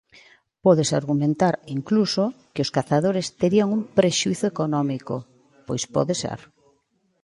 Pódese argumentar, incluso, que os cazadores terían un prexuízo económico, pois pode ser.